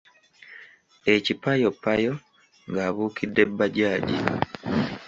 Ekipayoyoppayo ng’abuukidde bbajaaji.